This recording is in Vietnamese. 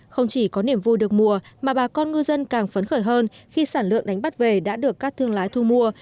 không chỉ có niềm vui được mùa mà bà con ngư dân càng phấn khởi hơn khi sản lượng đánh bắt về đã được các thương lái thu mua